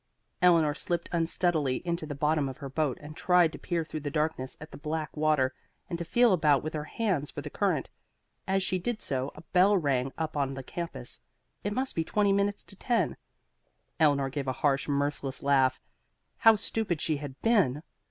Eleanor slipped unsteadily into the bottom of her boat and tried to peer through the darkness at the black water, and to feel about with her hands for the current. As she did so, a bell rang up on the campus. It must be twenty minutes to ten. Eleanor gave a harsh, mirthless laugh. How stupid she had been!